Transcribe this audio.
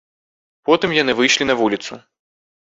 Потым яны выйшлі на вуліцу.